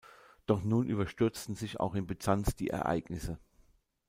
Doch nun überstürzten sich auch in Byzanz die Ereignisse.